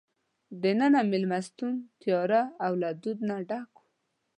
دننه مېلمستون تیاره او له دود نه ډک وو.